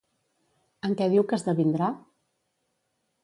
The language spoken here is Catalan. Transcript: En què diu que esdevindrà?